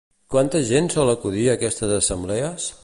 Quanta gent sol acudir a aquestes assemblees?